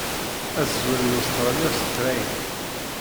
Ad ẓwiɣ l Australia s train.